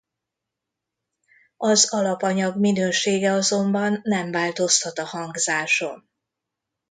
Az alapanyag minősége azonban nem változtat a hangzáson.